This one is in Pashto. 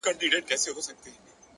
نظم ګډوډ ذهن آراموي